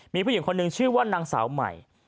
มีผู้หญิงคนหนึ่งชื่อว่านางสาวใหม่